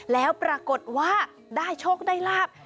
แล้วปรากฏว่าได้โชคได้ลาบ